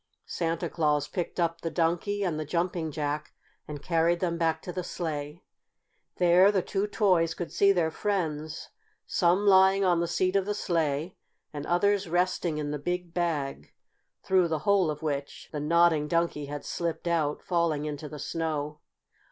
Santa Claus picked up the Donkey and the Jumping Jack and carried them back to the sleigh. There the two toys could see their friends, some lying on the seat of the sleigh and others resting in the big bag, through the hole of which the Nodding Donkey had slipped out, falling into the snow.